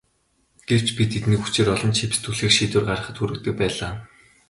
Гэвч би тэднийг хүчээр олон чипс түлхэх шийдвэр гаргахад хүргэдэг байлаа.